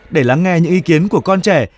để lắng nghe những ý kiến của con trẻ